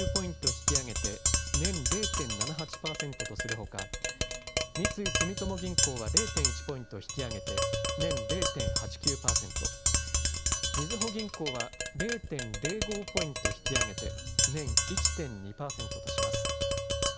引き上げて年０．７８％とするほか、三井住友銀行は０．１ポイント引き上げて年０．８９％、みずほ銀行は０．０５ポイント引き上げて年１．２％とします。